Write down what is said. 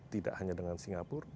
tidak hanya dengan singapura